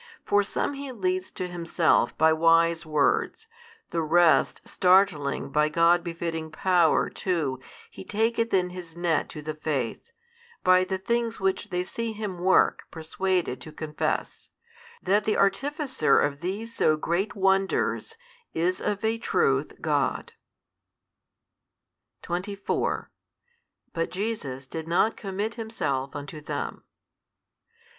For some He leads to Himself by wise words, the rest startling by God befitting Power too, He taketh in His net to the faith, by the things which they see Him work persuaded to confess, that the Artificer of these so great wonders is of a truth God. 24 But Jesus did not commit Himself unto them.